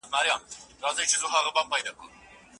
هر لیکوال د حواسو او ذهني اغېزو پر اساس اثر رامنځته کوي.